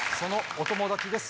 お友達です。